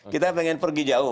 kita ingin pergi jauh